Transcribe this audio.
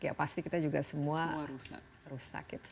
ya pasti kita juga semua rusak gitu